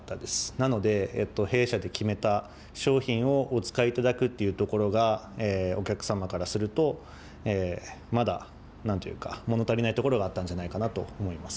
なので弊社で決めた商品をお使い頂くというところがお客様からするとまだ何というか物足りないところがあったんじゃないかなと思います。